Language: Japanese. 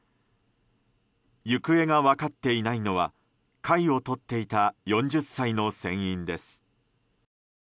行方が分かっていないのはかいをとっていた４０歳の船員です。